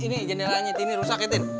ini jendela tini rusak ya tin